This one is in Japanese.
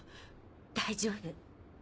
大丈夫。